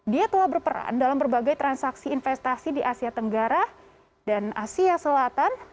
dia telah berperan dalam berbagai transaksi investasi di asia tenggara dan asia selatan